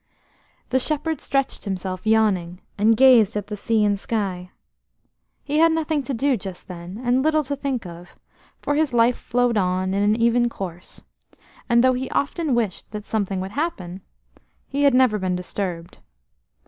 The shepherd stretched himself, yawning, and gazed at the sea and sky. He had nothing to do just then, and little to think of, for his life flowed on in an even course, and though he often wished that something would happen, he had never been disturbed.